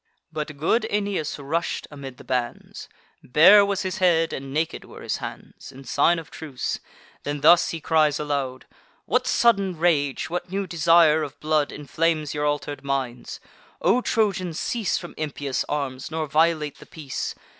But good Aeneas rush'd amid the bands; Bare was his head, and naked were his hands, In sign of truce: then thus he cries aloud: "What sudden rage, what new desire of blood, Inflames your alter'd minds? O Trojans, cease From impious arms, nor violate the peace!